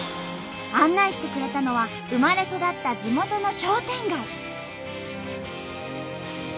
案内してくれたのは生まれ育った地元の商店街。